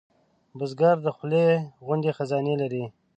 بزګر د خولې غوندې خزانې لري